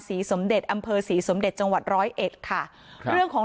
สมเด็จอำเภอศรีสมเด็จจังหวัดร้อยเอ็ดค่ะเรื่องของ